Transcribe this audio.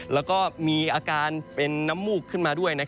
แล้วก็มีอาการเป็นน้ำมูกขึ้นมาด้วย